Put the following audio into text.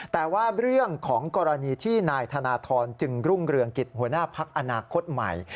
แต่ว่าเรื่องของกรณีที่นายธนทรจึงรุ่งเรืองกิจหัวหน้าพักอนาคตใหม่